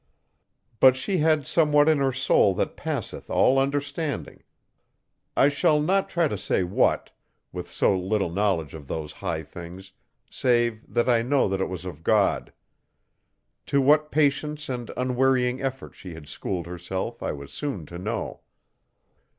But she had somewhat in her soul that passeth all understanding I shall not try to say what, with so little knowledge of those high things, save that I know it was of God. To what patience and unwearying effort she had schooled herself I was soon to know.